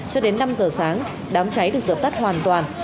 cho đến năm giờ sáng đám cháy được dập tắt hoàn toàn